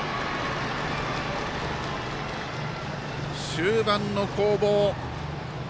終盤の攻防。